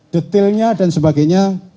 detailnya dan sebagainya